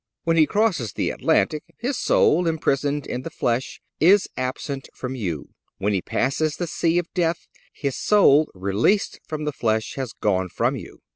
When he crosses the Atlantic his soul, imprisoned in the flesh, is absent from you; when he passes the sea of death his soul, released from the flesh, has gone from you.